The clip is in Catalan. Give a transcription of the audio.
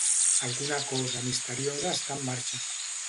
Alguna cosa misteriosa està en marxa.